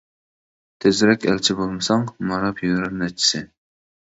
تېزرەك ئەلچى بولمىساڭ، ماراپ يۈرەر نەچچىسى.